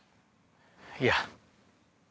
いや。